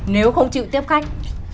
nếu không chịu tiếp khách